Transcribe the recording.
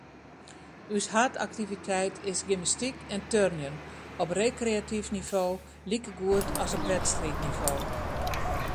Us haadaktiviteit is gymnastyk en turnjen, op rekreatyf nivo likegoed as op wedstriidnivo.